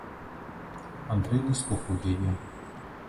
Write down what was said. Андрэй не слухаў яе.